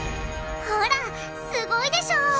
ほらすごいでしょすごい！